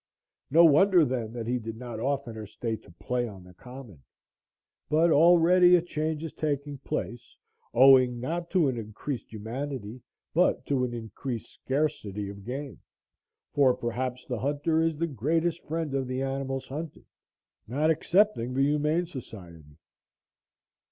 No wonder, then, that he did not oftener stay to play on the common. But already a change is taking place, owing, not to an increased humanity, but to an increased scarcity of game, for perhaps the hunter is the greatest friend of the animals hunted, not excepting the Humane Society.